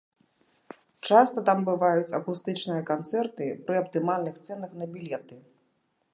Часта там бываюць акустычныя канцэрты пры аптымальных цэнах на білеты.